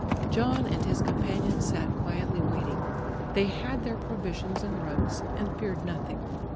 John and his companions sat quietly waiting. They had their provisions and rugs and feared nothing.